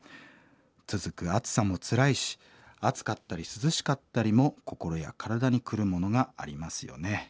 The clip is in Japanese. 続く暑さもつらいし暑かったり涼しかったりも心や体にくるものがありますよね。